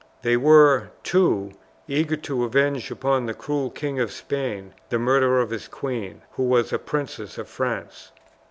They were, too, eager to avenge upon the cruel King of Spain the murder of his queen, who was a princess of France.